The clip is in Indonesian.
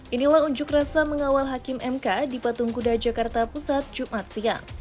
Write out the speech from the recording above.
inilah unjuk rasa mengawal hakim mk di patung kuda jakarta pusat jumat siang